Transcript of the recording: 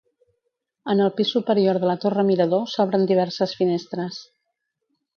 En el pis superior de la torre mirador s'obren diverses finestres.